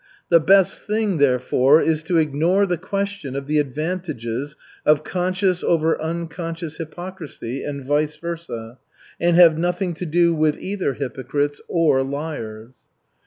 The best thing, therefore, is to ignore the question of the advantages of conscious over unconscious hypocrisy, and vice versa, and have nothing to do with either hypocrites or liars.